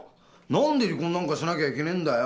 何で離婚なんかしなきゃいけねえんだよ！